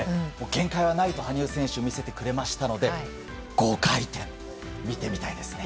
限界はないと羽生選手が見せてくれましたので５回転、見てみたいですね。